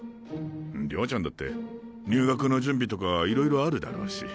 遼ちゃんだって入学の準備とか色々あるだろうし。